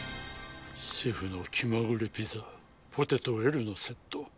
シェフの気まぐれピザポテトＬのセット。